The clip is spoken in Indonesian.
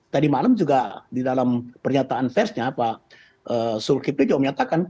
tadi malam juga di dalam pernyataan persnya pak zulkifli juga menyatakan